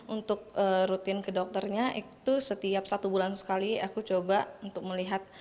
untuk rutin ke dokternya itu setiap satu bulan sekali aku coba untuk melihat